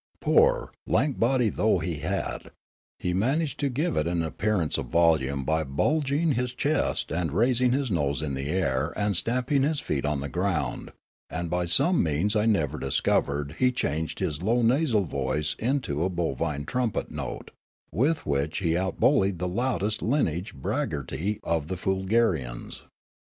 Poor, lank body though he had, he managed to give it an appearance of volume by bulging his chest and raising his nose in the air and stamping his feet on the ground ; and by some means I never discovered he changed his low nasal voice into a bovine trumpet note, with which he outbullied the loudest lineage braggartry of the Foolgarians.